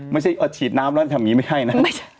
ไม่ใช่ฉีดน้ำแล้วทำอย่างนี้ไม่ให้นะ